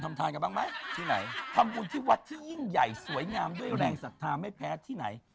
ทานกันบ้างไหมที่ไหนทำบุญที่วัดที่ยิ่งใหญ่สวยงามด้วยแรงศรัทธาไม่แพ้ที่ไหน